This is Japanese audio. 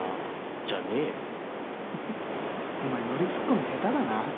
フフお前ノリツッコミ下手だな。